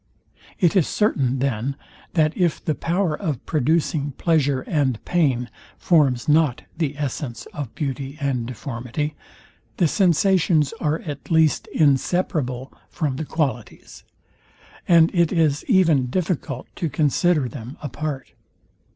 It is certain, then, that if the power of producing pleasure and pain forms not the essence of beauty and deformity, the sensations are at least inseparable from the qualities, and it is even difficult to consider them apart.